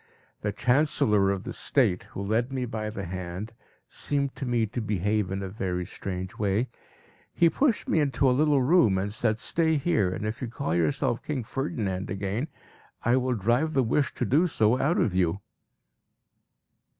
The Chancellor of the State, who led me by the hand, seemed to me to behave in a very strange way; he pushed me into a little room and said, "Stay here, and if you call yourself 'King Ferdinand' again, I will drive the wish to do so out of you."